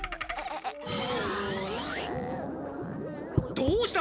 どうした！？